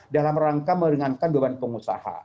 dalam rangka meringankan beban pengusaha